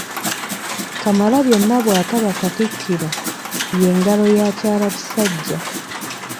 Kamalabyonna bw’ataba katikkiro ye ngalo ya kyalakisajja.